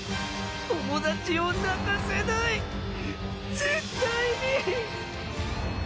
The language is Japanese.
友達を泣かせない絶対に。